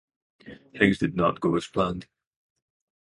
Things do not go as planned.